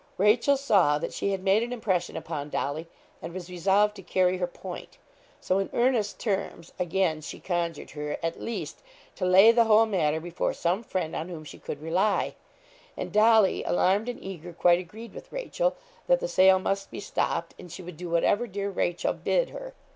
Rachel saw that she had made an impression upon Dolly, and was resolved to carry her point. So, in earnest terms, again she conjured her, at least, to lay the whole matter before some friend on whom she could rely; and Dolly, alarmed and eager, quite agreed with Rachel, that the sale must be stopped, and she would do whatever dear Rachel bid her.